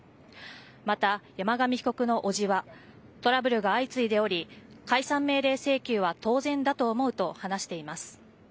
また、山上被告の伯父はトラブルが相次いでおり解散命令請求は当然だと思うと話しています。